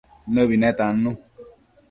Nëbi netannu